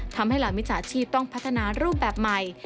ทำให้เหล่ามิจฉาชีพต้องพัฒนารูปแบบใหม่